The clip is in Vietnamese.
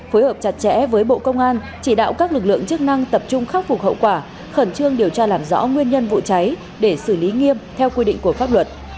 phối hợp chặt chẽ với bộ công an chỉ đạo các lực lượng chức năng tập trung khắc phục hậu quả khẩn trương điều tra làm rõ nguyên nhân vụ cháy để xử lý nghiêm theo quy định của pháp luật